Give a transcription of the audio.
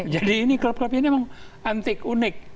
jadi klub klub ini memang antik unik